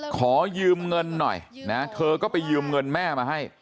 ขอยืมเงินหน่อยนะเธอก็ไปยืมเงินแม่มาให้